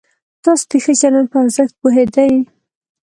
تاسې د ښه چلند په ارزښت پوهېدئ؟